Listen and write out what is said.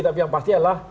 tapi yang pasti adalah